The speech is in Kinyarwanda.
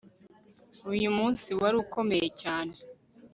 Uyu munsi wari ukomeye cyane